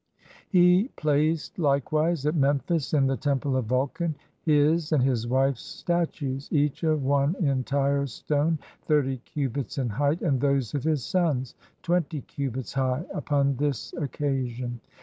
He placed likewise at Memphis, in the Temple of Vul can, his and his wife's statues, each of one entire stone, thirty cubits in height, and those of his sons, twenty cubits high, upon this occasion.